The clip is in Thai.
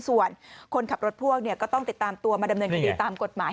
ส่วนคนขับรถพ่วงก็ต้องติดตามตัวมาดำเนินคดีตามกฎหมาย